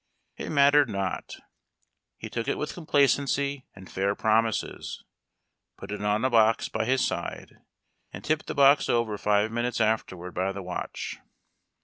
It mattered not. He took it with complacency and fair promises, put it on a box by his side and tipped the box over five minutes afterward by the watch.